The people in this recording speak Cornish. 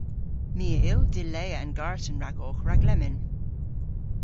My a yll dilea an garten ragowgh rag lemmyn.